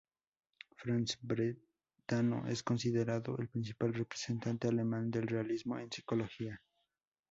Franz Brentano es considerado el principal representante alemán del Realismo en Psicología.